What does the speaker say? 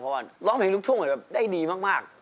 เพราะว่าร้องเพลงลูกทุ่งเหมือนแบบได้ดีมาก